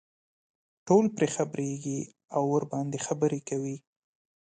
ټول پرې خبرېږي او ورباندې خبرې کوي.